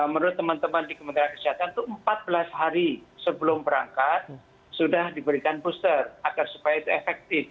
menurut teman teman di kementerian kesehatan itu empat belas hari sebelum berangkat sudah diberikan booster agar supaya itu efektif